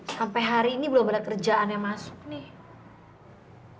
sampai hari ini belum ada kerjaan yang masuk nih